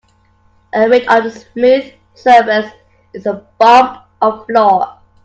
A ridge on a smooth surface is a bump or flaw.